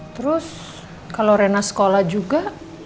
terus kalau rena sekolah juga